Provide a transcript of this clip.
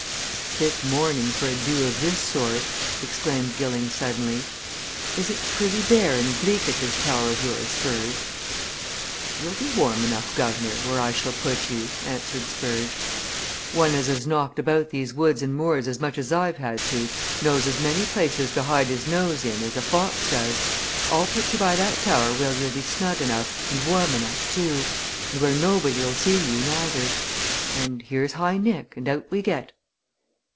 "A fit morning for a do of this sort!" exclaimed Gilling suddenly. "Is it pretty bare and bleak at this tower of yours, Spurge?" "You'll be warm enough, guv'nor, where I shall put you," answered Spurge. "One as has knocked about these woods and moors as much as I've had to knows as many places to hide his nose in as a fox does! I'll put you by that tower where you'll be snug enough, and warm enough, too and where nobody'll see you neither. And here's High Nick and out we get."